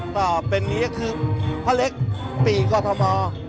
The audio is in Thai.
ต่อเป็นนี้ก็คือพ่อเล็กปี่กอทม